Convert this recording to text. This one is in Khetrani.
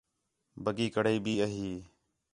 بَڳّی کڑاہی بھی آ ہی